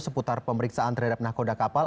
seputar pemeriksaan terhadap nahkoda kapal